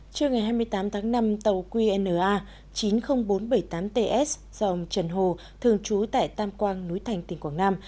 trưa ngày hai mươi tám tháng năm tàu qna chín mươi nghìn bốn trăm bảy mươi tám ts do ông trần hồ thường trú tại tam quang núi thành tỉnh quảng nam